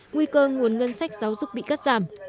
nguy cơ nguồn ngân sách giáo dục bị cắt giảm